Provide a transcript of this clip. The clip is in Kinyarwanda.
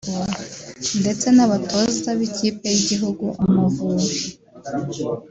ndetse n’abatoza b’ikipe y’igihugu Amavubi